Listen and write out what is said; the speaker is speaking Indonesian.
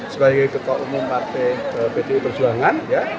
sebagai ketua umum partai pt perjuangan ya